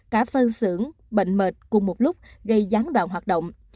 cả phân xưởng bệnh mệt cùng một lúc gây gián đoạn hoạt động